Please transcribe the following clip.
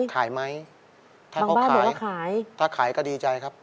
ขายไหมบางบ้านเหลือว่าขายถ้าขายก็ดีใจครับ